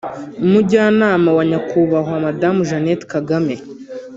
umujyanama wa Nyakubahwa Madamu Jeannette Kagame